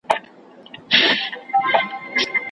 ژغورونکی به حتماً په ټاکلي وخت کې راشي.